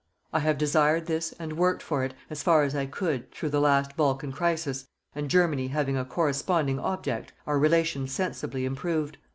I have desired this and worked for it, as far as I could, through the last Balkan crisis, and, Germany having a corresponding object, our relations sensibly improved.